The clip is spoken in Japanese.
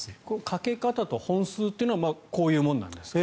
かけ方と本数というのはこういうものなんですか？